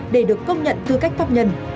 để được công nhận tư cách pháp nhân